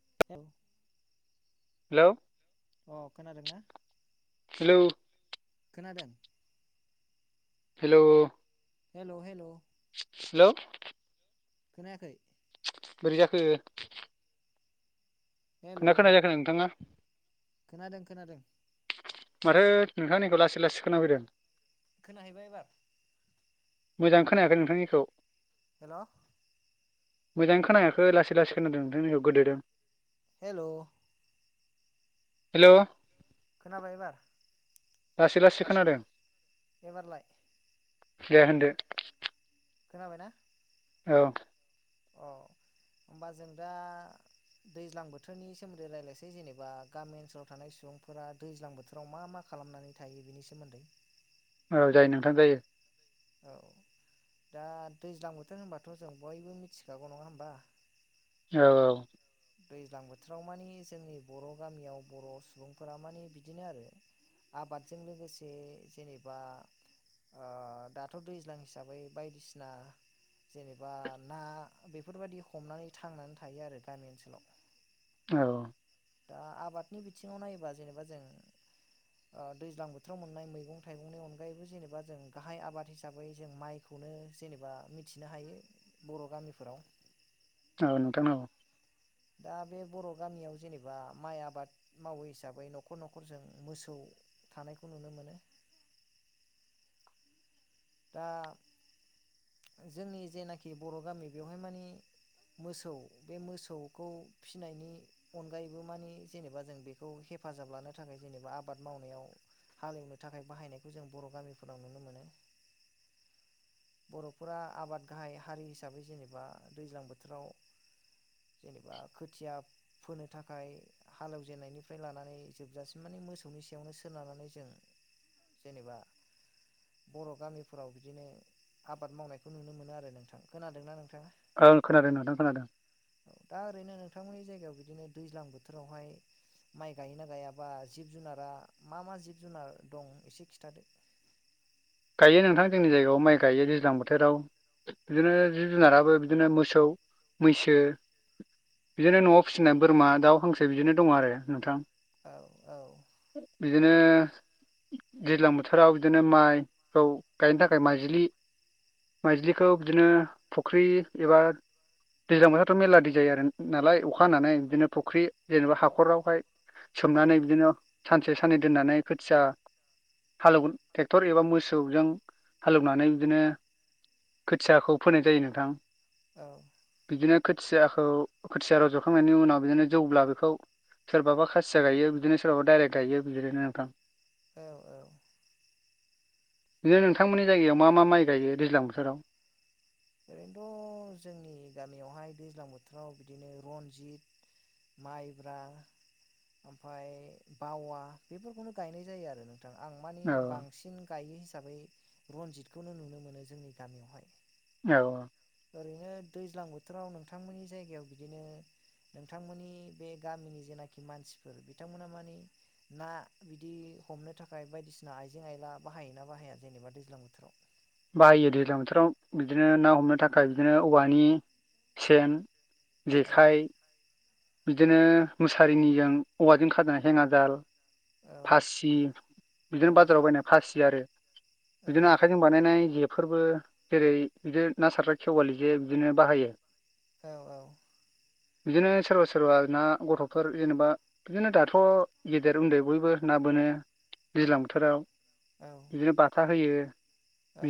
[inaudible] Hello अ खोनादों ना हेलौ खोनादों हेल' हेल' हेल' हेल' खोनायाखै बोरै जाखो हेल' खोना खोनाया जाखो नोंथाङा खोनादों खोनादों माथो नोंथांनिखौ लासै लासै खोना फैदों खोनाहैबाय एबार मोजां खोनायाखै नोंथांनिखौ हेल' मोजां खोनायाखै लासै लासै खोनादों नोंथांनिखौ गोदोदों हेल' हेल' खोनाबाय एबार लासै खोनादों एबारलाय दे होनदो खोनाबायना औ औ होनबा जों दा दैज्लां बोथोरनि सोमोन्दै रायज्लायसै जेनेबा गामि ओनसोलाव थानाय सुबुंफोरा दैज्लां बोथोराव मा मा खालाम खालामनानै थायो बिनि सोमोन्दै औ जायो नोंथां जायो औ दा दैज्लां बोथोर होनबाथ' जों बयबो मिथिखागौ नङा होमबा औ औ दैज्लां बोथोराव मानि जोंनि बर' गामियाव बर' सुबुंफोरा माने बिदिनो आरो आबादजों लोगोसे जेनेबा ओ दाथ' दैज्लां हिसाबै बायदिसिना जेनेबा ना बेफोरबायदि हमनानै थांनानै थायो आरो गामि ओनसोलाव औ दा आबादनि बिथिङाव नायोबा जेनेबा जों ओ दैज्लां बोथोराव मोननाय मैगं थाइगंनि अनगायैबो जेनेबा जों गाहाय आबाद हिसाबै जों माइखौ नो जेनेबा मिथिनो हायो बर' गामिफोराव औ नोंथां औ दा बे बर' गामियाव जेनेबा माइ आबाद मावो हिसाबै न'खर न'खरजों मोसौ थानायखौ नुनो मोनो। दा जोंनि जेनाखि बर' गामि बेवहाय मानि मोसौ बे मोसौखौ फिसिनायनि अनगायैबो माने जेनेबा जों बेखौ हेफाजाब लानो थाखाय जेनेबा आबाद मावनायाव हालेवनो थाखाय बाहायनायखौ जों बर' गामिफोराव नुनो मोनो। बर'फोरा आबाद गाहाय हारि हिसाबै जेनेबा दैज्लां बोथोराव जेनेबा खोथिया फोनो थाखाय हालेवजेननायनिफ्राय लानानै जोबजासिम माने मोसौनि सायावनो सोनारनानै जों जेनेबा बर' गामि फोराव बिदिनो आबाद मावनायखौ नुनो मोनो आरो नोंथां खोनादोंना नों ओं खोनादों नोंथां खोनादों औ दा ओरैनो नोंथांमोननि जायगायाव बिदिनो दैज्लां बोथोरावहाय माइ गायोना गायाबा जिब जुनारा मा मा जिब जुनार दं एसे खिन्थादो [inaudible] गायो नोंथां जोंनि जायगायाव माइ गाइयो दैज्लां बोथोराव बिदिनो जिब जुनाराबो बिदिनो मोसौ मैसो बिदिनो न'आव फिसिनाय बोरमा दाउ हांसो बिदिनो दङ आरो नोंथां औ औ बिदिनो दैज्लां बोथोराव बिदिनो माइखौ गायनो थाखाय माइज्लि माइज्लिखौ बिदिनो फुख्रि एबा दैज्लां बोथोरथ' मेरला दै जायो आरो नालाय अखा हनानै बिदिनो फुख्रि जेनेबा हाखरावहाय औ सोमनानै बिदिनो सानसे साननै दोननानै खोथिया हालेव ट्रेक्टर एबा मो सौजों हालेवनानै बिदिनो खोथियाखौ फोनाय जायो नोंथां औ बिदिनो खोथियाखौ खोथिया रज'खांनायनि उनाव बिदिनो जौब्ला बेखौ सोरबाबा खासिया गायो बिदिनो सोरबाबा दडाइरेक्ट गायो बिदिनो नोंथां औ औ बिदि नोंथांमोननि जायगायाव मा मा माइ गायो दैज्लां बोथोराव ओरैनोथ' जोंनि गामियावहाय दैज्लां बोथोराव बिदिनो रनजित माइब्रा आमफाय बावा बेफोरखौनो गायनाय जायो आरो नों थां आं माने औ बांसिन गायो हिसाबै रनजितखौनो नुनो मोनो जोंनि गामियावहाय औ ओरैनो दैज्लां बोथोराव नोंथांमोननि जायगायाव बिदिनो नोंथांमोननि बे गामिनि जेनाखि मानसिफोर बिथांमोना मानि ना बिदि हमनो थाखाय बायदिसिना आइजें आइला बाहायोना बाहाया जेनेबा दैज्लां बोथोराव बाहायो दैज्लां बोथोराव बिदिनो ना हमनो थाखाय बिदिनो औवानि सेन औ जेखाइ बिदिनो मुसारिनिजों औवाजों खाजनाय हेङाजाल औ फासि बिदिनो औ बाजाराव बायनाय फासि आरो औ बिदिनो आखाइजों बानायनाय जे फोरबो जेरै बिदिनो ना सारग्रा खेवालि जे बिदिनो बाहायो औ औ बिदिनो सोरबा सोरबा सोरबा ना गथ'फोर जेनेबा बिदिनो दाथ' गेदेर उनदै बयबो ना बोनो दैज्लां बोथोराव बिदिनो बाथा होयो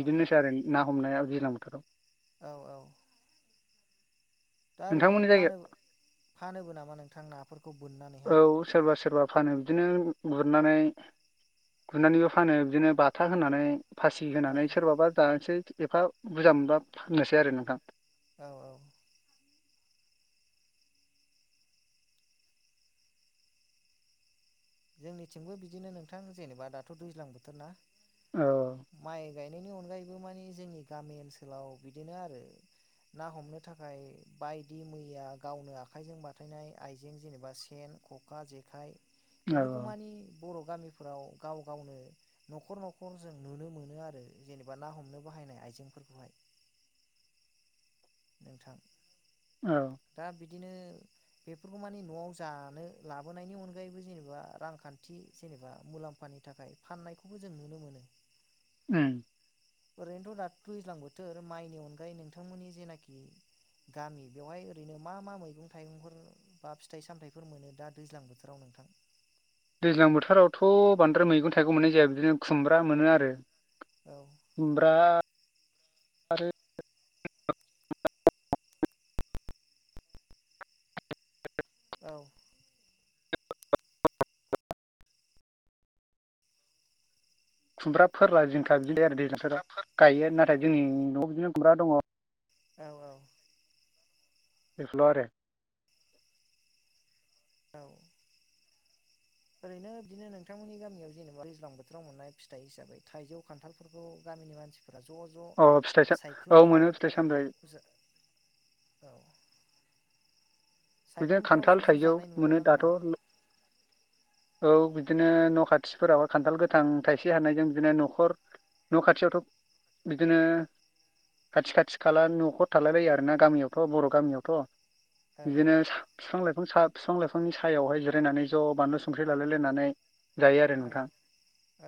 औ आरो ना हमनाया दैज्लां बोथोराव औ औ दा ओरैनो नोंथांमोननि फानो जायगायाव फानोबो नामा नोंथां नाफोरखौ? बोननानैहाय औ सोरबा सोरबा फानो बिदिनो गुरनानै गुरनानैबो फानो बिदिनो बाथा होनानै फासि औ होनानै सोरबाबा जानोसै एफा बुरजा मोनबा फाननोसै आरो नोंथां औ औ जोंनिथिंबो बिदिनो नोंथां जेनेबा दाथ' दैज्लां बोथोर ना औ माइ गायनायनि अनगायै बो मानि जोंनि गामि ओनसोलाव बिदिनो आरो ना हमनो थाखाय बायदि मैया गावनो आखाइजों बाथायनाय आइजें जेनेबा सेन खखा जेखाइ औ बेफोरखौ मानि बर' गामिफोराव गाव गावनो नखर नखर जों नुनो मोनो आरो जेनेबा ना हमनो बाहायनाय आइजेंफोरखौहाय नोंथां औ दा बिदिनो बेफोरखौ मानि न'आव जानो लाबोनायनि अनगायैबो जेनेबा रांखान्थि जेनेबा मुलाम्फा नि थाखाय फाननायखौबो जों नुनो मोनो उम ओरैनोथ' दाथ' दुइज्लां बोथोर माइनि अनगायै नोंथांमोननि जेनाखि गामि बेवहाय ओरैनो मा मा मैगं थाइगंफोर बा फिथाइ सामथायफोर मोनो दा दैज्लां बोथोराव नों [unintelligible] दैज्लां बोथोरावथ' बांद्राय मैगं थाइगं मोननाय जाया बिदिनो खुमब्रा मोनो आरो औ खुमब्रा आरो औ खुमब्रा फोरला जिंखा बिलायो आरो दैज्लां बोथोराव गायो नाथाय जोंनि न'आव बिदिनो खुमब्रा दङ औ औ बेफोरल' आरो औ ओरैनो बिदिनो नोंथांमोननि गामियाव जेनेबा दैज्लां बोथोराव मोननाय फिथाइ हिसाबै थाइजौ खान्थालफोरखौ गामिनि मानसि औ फिथाइ औ मोनो फिथाइ सामथाइ औ बिदिनो सायख्लुमफ्राव खान्थाल ज' ज' थाइजौ जानाय नुनो मोनो ना दाथ' मोना? औ बिदिनो न' खाथिफोराव खान्थाल गोथां थाइसे हानायजों बिदिनो न'खर न' खाथियावथ' बिदिनो खाथि खाथि खाला न'खर थालायलायो आरोना गामियावथ' बर' गामियावथ'। औ फिफां लाइफां सा फिफां लाइफांनि सायावहाय जिरायनानै ज' बानलु संख्रि लालायलायनानै जायो आरो औ नोंथां।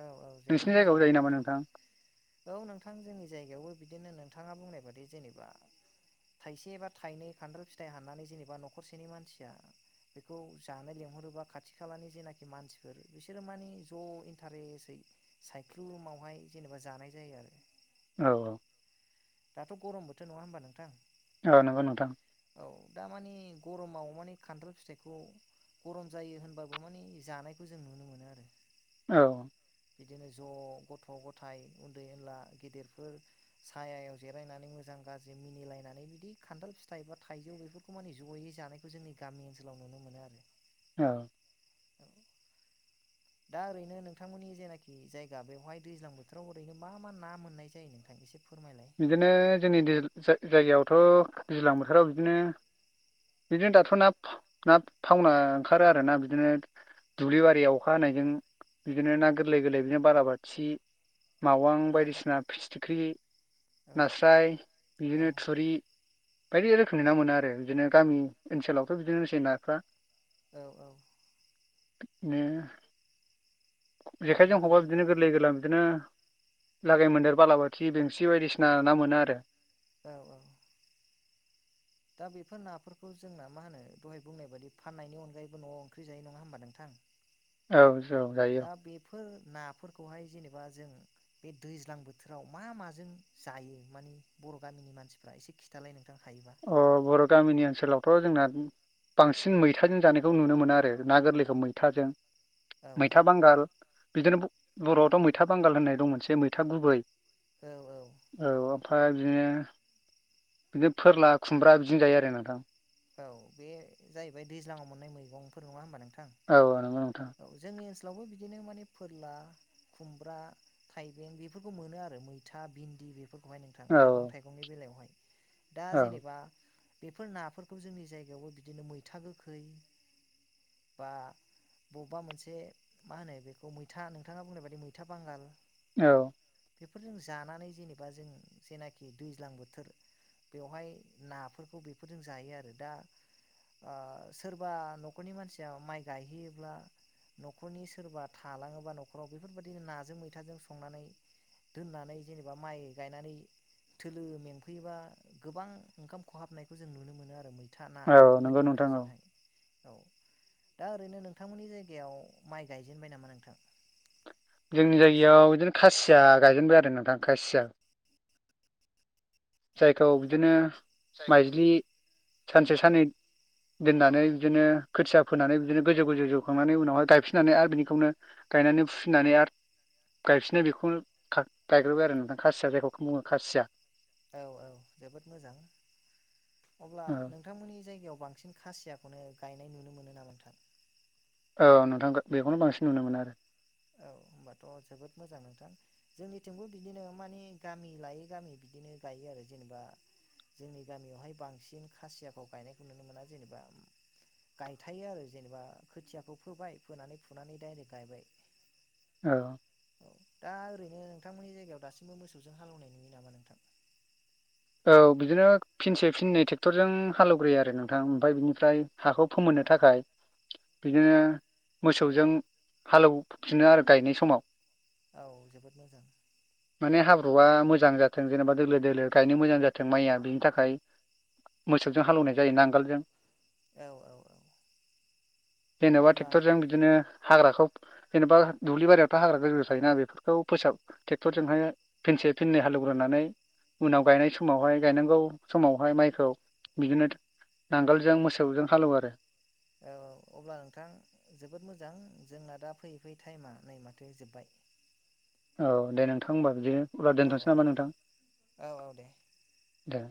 औ औ जोबोद नोंसिनि मोजां जायगायावबो जायो नामा अब्लाथ' नोंथां? औ नोंथां जोंनि जायगायावबो बिदिनो नोंथाङा बुंनाय बादि जेनेबा थाइसे एबा थाइनै खान्थाल फिथाइ हाननानै जेनेबा न'खरसेनि मानसिया बेखौ जानो लेंहरोबा खाथि खालानि जायनाखि मानसिफोर बिस सोरो माने ज' इन्टारेसै साइख्लुमावहाय जेनेबा जानाय जायो आरो। औ औ। दाथ' गरम बोथोर नङा होमबा नोंथां? औ नंगौ नोंथां औ दामाने गरमाव माने खान्थाल फिथाइखौ गरम जायो होनबाबो माने जानायखौ जों नुनो मोनो आरो। औ। बिदिनो ज' गथ' गथाय उन्दै उनला गेदेरफोर सायायाव जेरायनानै मोजां गाज्रि मिनिलायनानै बिदि खान्थाल फिथाइ एबा थाइजौ बेफोरखौ माने ज'यै जानायखौ जोंनि गामि ओनसोलाव नुनो मोनो आरो। औ। [inaudible] दा ओरैनो नोंथांमोननि जेनाखि जायगा बेवहाय दैज्लां बोथोराव ओरैनो मा मा ना मोननाय जायो नोंथां एसे फोरमाय बिदिनो जोंनि दोल जा जायगायावथ' दैज्लां बोथोराव बिदिनो बिदिनो दाथ' ना ना थावना ओंखारो आरो ना बिदिनो दुब्लि बारियाव अखा हानायजों बिदिनो ना गोरलै गोरलै बिदिनो बालाबाथि मावां औ बायदिसिना फिथिख्रि औ नास्राय औ बिदिनो थुरि बायदि रोखोमनि ना मोनो आरो बिदिनो गामि ओनसोलावथ' बिदिनोसै नाफ्रा। औ औ। नो जोबोद जेखाइजों हबा मोजां बिदिनो गोरलै गोरलाम बिदिनो लागाय मोन्देर बालाबाथि बेंसि बायदिसिना ना मोनो आरो। औ औ। दा बेफोर नाफोरखौ जोंना मा होनो दहाय बुंनाय बायदि फाननायनि अनगायैबो न'आव ओंख्रि जायो नङा होनबा नोंथां। औ जौ जायो दा बेफोर नाफोरखौहाय जेनेबा जों बे दैज्लां बोथोराव मा माजों जायो मानि बर' गामिनि मानसिफ्रा एसे खिथालाय नों अ बर' गामिनि ओनसोलाव थ जोंना बांसिन मैथाजों जानायखौ नुनो मोनो आरो ना गोरलैखौ मैथाजों। औ मैथा बांगाल बिदिनो ब बर'आवथ' मैथा बांगाल होननाय दं मोनसे मैथा गुबै औ ओमफाय बिदिनो बिदिनो फोरला खुमब्रा बिदिजों जायो आरो नोंथां। औ बे जाहैबाय दैज्लाङाव मोननाय मैगंफोर नङा होनबा नों औ नंगौ नोंथां। लावबो बिदिनो माने फोरला खुमब्रा थाइबें बेफोरखौ मोनो आरो मैथा भिन्दि बे फोरखौहाय नोंथां औ मैगं थाइगंनि बेलायावहाय। दा औ जेनेबा बेफोर नाफोरखौ जोंनि जायगायावबो बिदिनो मैथा गोखै बा बबबा मोनसे मा होनो बेखौ मैथा नोंथाङा बुंनाय बायदि मैथा बांगाल औ बेफोरजों जानानै जेनेबा जों जेनाखि दैज्लां बोथोर बेवहाय नाफोरखौ बेफोरजों जायो आरो दा ओ सोरबा नखरनि मानसिया माइ गायहैयोब्ला नखरनि सोरबा थालाङोबा नखराव बेफोरबायदि नाजों मैथाजों संनानै दोननानै जेनेबा माइ गायनानै थोलो मेंफैयोबा गोबां ओंखाम खहाबनायखौ जों नुनो मोनो आरो मैथा ना औ नंगौ बेफोरबायदि नोंथां औ ओंख्रिजोंहाय औ दा ओरैनो नोंथांमोननि जायगायाव माइ गायजेनबाय नामा नोंथां जोंनि जायगायाव बिदिनो खासिया गायजेनबाय आरो नोंथां खासिया जायखौ बिदिनो माइज्लि सानसे साननै दोननानै बिदिनो खोथिया फोनानै बिदिनो गोजौ गोजौ जौखांनानै उनावहाय गायफिननानै आरो बिनिखौनो गायनानै फुफिननानै आर गायफिननाय बेखौ गायग्रोबाय आरो नोंथां खासिया जायखौ बुङो खासिया औ औ जोबोद मोजां अब्ला औ नोंथांमोननि जायगायाव बांसिन खासियाखौनो गायनाय नुनो मोनो नामा नोंथां औ नोंथां बेखौनो बांसिन नुनो मोनो आरो औ होमबाथ' जोबोद मोजां नोंथां जोंनिथिंबो बिदिनो मानि गामि लायै गामि बिदिनो गायो आरो जेनेबा जोंनि गामियावहाय बांसिन खासियाखौ गायनायखौ नुनो मोना जेनेबा गायथायो आरो जेनेबा खोथियाखौ फोबाय फोनानै फुनानै डाइरेक गायबाय औ औ दा ओरैनो नोंथांमोननि जायगायाव दासिमबो मोसौजों हालेवनाय नुयो नामा नोंथां औ बिदिनो फिनसे फिननै टेक्टरजों हालेवग्रोयो आरो नोंथां ओमफ्राय बिनिफ्राय हाखौ फोमोननो थाखाय बिदिनो मोसौजों हालौफिनो आरो गायनाय समाव औ जोबोद मोजां माने हाब्रुआ मोजां जाथों जेनेबा दोलो दोलो गायनो मोजां जाथों माइया बिनि थाखाय मोसौजों हालौवनाय जायो नांगालजों औ औ [inaudible] जेन'बा अब्ला टेक्टरजों बिदिनो हाग्राखौ जेन'बा दुब्लि बारियावथ' हाग्रा गोजौ गोजौ थायोना बेफोरखौ फोसाब टेक्ट'रजोंहाय फिनसे फिननै हालौ ग्रोनानै उनाव गायनाय समावहाय गायनांगौ समावहाय माइखौ बिदिनो नांगालजों मोसौजों हालौवो आरो औ औ अब्ला नोंथां जोबोद मोजां जोंना दा फैयै फैयै टाइमा नै माथो जोबबाय [inaudible] औ दे नोंथां होमबा बिदिनो अब्ला औ दोनथ'नोसै नामा नोंथां औ औ दे दे